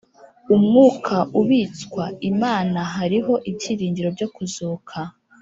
Umwuka ubitswa imana hariho ibyiringiro byo kuzuka